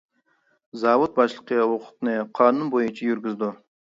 زاۋۇت باشلىقى ھوقۇقىنى قانۇن بويىچە يۈرگۈزىدۇ.